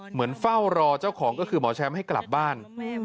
เหมือนเฝ้ารอเจ้าของก็คือหมอแชมป์ให้กลับบ้าน